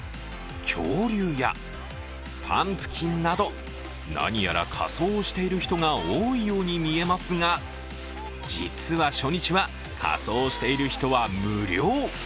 恐竜やパンプキンなど、何やら仮装をしている人が多いように見えますが実は初日は仮装している人は無料。